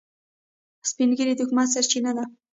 سپین ږیری د حکمت سرچینه ده